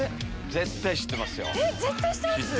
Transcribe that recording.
絶対知ってます